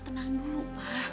tenang dulu pa